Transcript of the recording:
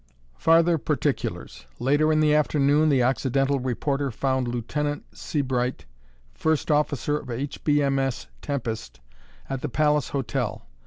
"Farther Particulars. Later in the afternoon the OCCIDENTAL reporter found Lieutenant Sebright, first officer of H.B.M.S. Tempest, at the Palace Hotel.